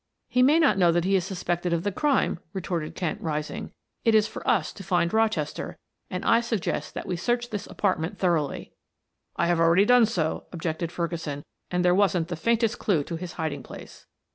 "He may not know that he is suspected of the crime," retorted Kent, rising. "It is for us to find Rochester, and I suggest that we search this apartment thoroughly." "I have already done so," objected Ferguson. "And there wasn't the faintest clew to his hiding place."